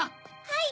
はい。